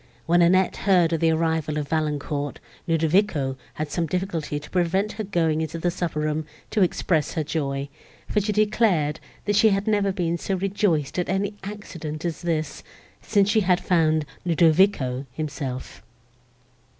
When Annette heard of the arrival of Valancourt, Ludovico had some difficulty to prevent her going into the supper room, to express her joy, for she declared, that she had never been so rejoiced at any accident as this, since she had found Ludovico himself.